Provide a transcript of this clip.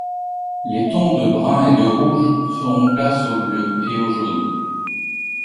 Les tons de brun et de rouge feront place au bleu et au jaune.